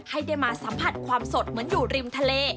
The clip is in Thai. ให้ได้มาสัมผัสความสดเหมือนอยู่ริมทะเล